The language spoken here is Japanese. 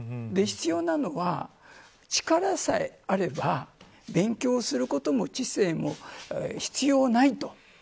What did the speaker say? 必要なのは力さえあれば勉強することも知性も必要ないと。